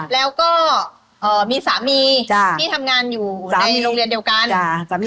แล้วก็มีสามีที่ทำงานอยู่ในโรงเรียนเดียวกัน